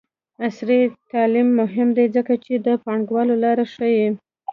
عصري تعلیم مهم دی ځکه چې د پانګونې لارې ښيي.